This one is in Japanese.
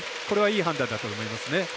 これはいい判断だと思いますね。